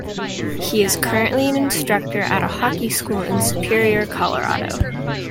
He is currently an instructor at a hockey school in Superior, Colorado.